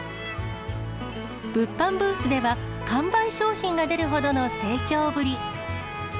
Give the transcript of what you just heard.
物販ブースでは完売商品が出るほどの盛況ぶり。